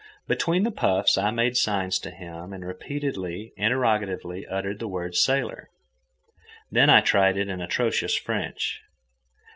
Between the puffs I made signs to him and repeatedly and interrogatively uttered the word sailor. Then I tried it in atrocious French.